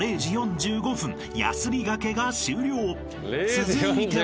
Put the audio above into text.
［続いては］